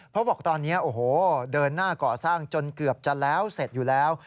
เขาบอกตอนนี้เดินหน้าก่อสร้างจนเกือบจะเสร็จอยู่แล้ว